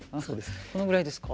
このぐらいですか？